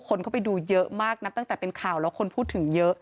คนเข้าไปดูเยอะมากนับตั้งแต่เป็นข่าวแล้วคนพูดถึงเยอะ